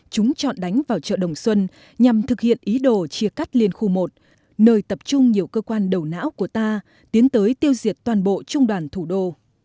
chúng chọn đánh vào chợ đồng xuân nhằm thực hiện ý đồ chia cắt liên khu một nơi tập trung nhiều cơ quan đầu não của ta tiến tới tiêu diệt toàn bộ trung đoàn thủ đô